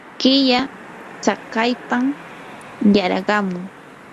killa tsakaypam yarqamun.